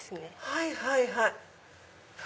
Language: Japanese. はいはいはい。